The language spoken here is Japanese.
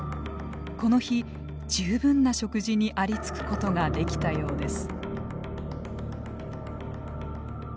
この日十分な食事にありつくことができたようです。